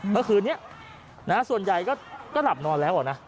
เมื่อคืนนี้ส่วนใหญ่ก็หลับนอนแล้วนะ